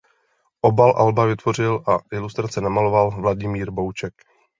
Obal alba vytvořil a ilustrace namaloval Vladimír Bouček.